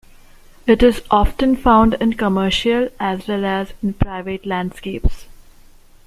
It is often found in commercial as well as in private landscapes.